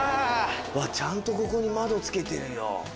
ちゃんとここに窓付けてるよ。